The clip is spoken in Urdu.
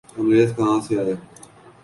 انگریز کہاں سے آئے؟